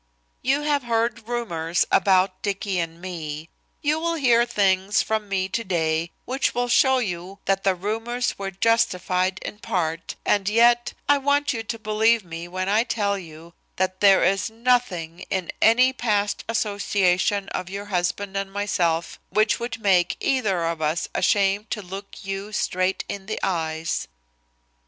"You have heard rumors about Dicky and me; you will hear things from me today which will show you that the rumors were justified in part, and yet I want you to believe me when I tell you that there is nothing in any past association of your husband and myself which would make either of us ashamed to look you straight in the eyes."